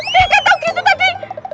tiga tau gitu tadi